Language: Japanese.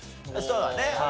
そうだね。